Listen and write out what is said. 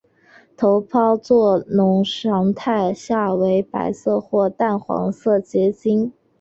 头孢唑肟常态下为白色或淡黄色结晶。